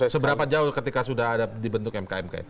seberapa jauh ketika sudah ada dibentuk mkmk